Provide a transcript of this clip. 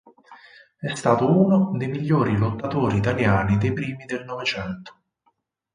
È stato uno dei migliori lottatori italiani dei primi del Novecento.